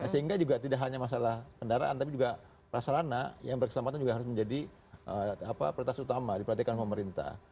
sehingga juga tidak hanya masalah kendaraan tapi juga prasarana yang berkeselamatan juga harus menjadi prioritas utama diperhatikan pemerintah